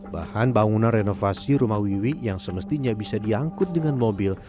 bahan bangunan renovasi rumah wiwi yang semestinya bisa diangkut dengan mobil